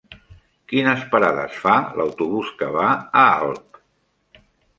Quines parades fa l'autobús que va a Alp?